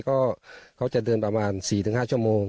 ก็เขาจะเดินประมาณ๔๕ชั่วโมง